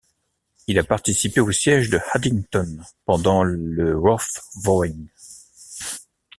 Il a participé au siège de Haddington pendant le Rough Wooing.